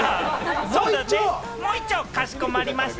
もういっちょかしこまりました。